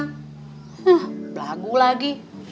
hah belagu lagi